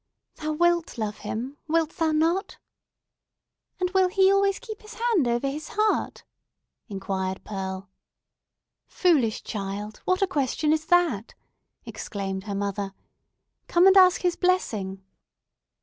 Thou wilt love him—wilt thou not?" "And will he always keep his hand over his heart?" inquired Pearl. "Foolish child, what a question is that!" exclaimed her mother. "Come, and ask his blessing!"